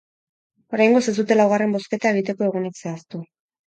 Oraingoz ez dute laugarren bozketa egiteko egunik zehaztu.